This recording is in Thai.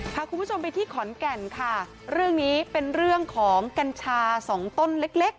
พาคุณผู้ชมไปที่ขอนแก่นค่ะเรื่องนี้เป็นเรื่องของกัญชาสองต้นเล็กเล็ก